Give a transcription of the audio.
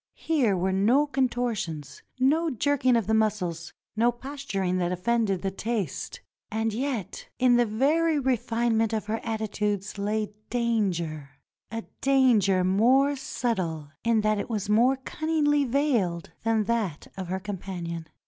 Here were no contortions, no jerking of the muscles, no posturing that offended the taste; and yet in the very refinement of her attitudes lay 363 NORTHERN AFRICA danger — a danger more subtle in that it was more cun ningly veiled than that of her companion.